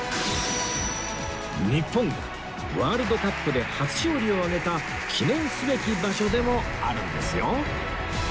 日本がワールドカップで初勝利を挙げた記念すべき場所でもあるんですよ